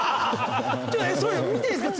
見ていいですか？